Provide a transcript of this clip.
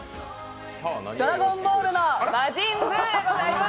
「ドラゴンボール」の魔神ブウでございます。